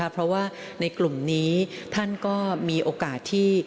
เพราะว่าในกลุ่มนี้ท่านก็มีโอกาสที่